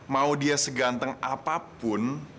mau dia seganteng apapun